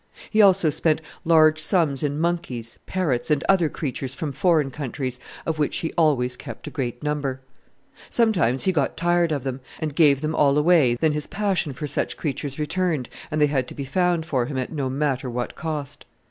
He also spent large sums in monkeys, parrots, and other creatures from foreign countries, of which he always kept a great number. Sometimes he got tired of them, and gave them all away then his passion for such creatures returned, and they had to be found for him at no matter what cost.